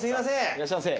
いらっしゃいませ。